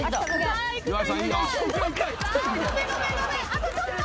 あとちょっと。